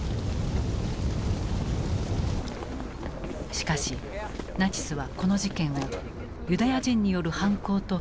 しかしナチスはこの事件をユダヤ人による犯行と決めつけた。